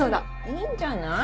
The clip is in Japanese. いいんじゃない？